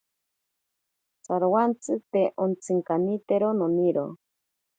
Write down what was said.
Tsarowantsi te ontsikanitero noniro.